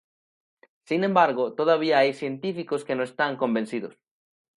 Sin embargo, todavía hay científicos que no están convencidos.